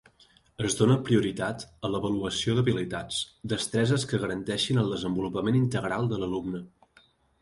Es dóna prioritat a l'avaluació d'habilitats, destreses que garanteixin el desenvolupament integral de l'alumne.